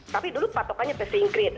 tapi dulu patokannya pes inggris